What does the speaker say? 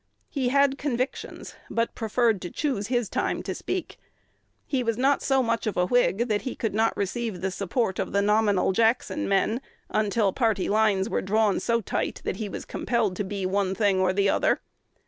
He had convictions, but preferred to choose his time to speak. He was not so much of a Whig that he could not receive the support of the "nominal" Jackson men, until party lines were drawn so tight that he was compelled to be one thing or the other.